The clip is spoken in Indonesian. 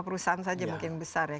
perusahaan saja mungkin besar ya